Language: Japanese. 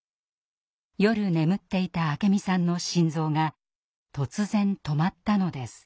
夜眠っていた明美さんの心臓が突然止まったのです。